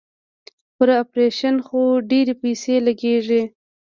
پر اپرېشن خو ډېرې پيسې لگېږي.